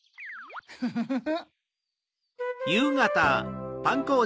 フフフフ。